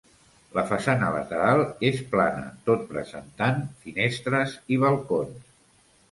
La façana lateral és plana tot presentant finestres i balcons.